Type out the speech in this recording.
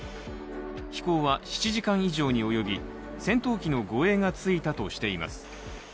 飛行は７時間以上に及び戦闘機の護衛がついたとしています。